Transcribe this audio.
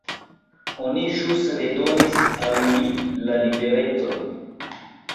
Oni ĵus redonis al li la liberecon.